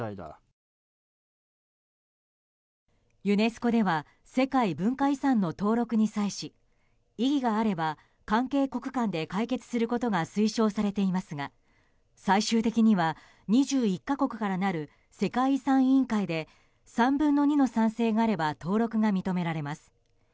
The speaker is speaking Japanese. ユネスコでは世界文化遺産の登録に際し異議があれば関係国間で解決することが推奨されていますが最終的には２１か国からなる世界遺産委員会で３分の２の賛成があれば登録が認められます。